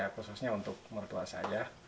khususnya untuk mertua saja